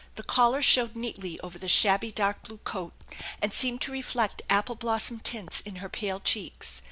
The collar showed neatly over the shabby dark blue coat, and seemed to reflect apple blossom tints in her pale cheeks.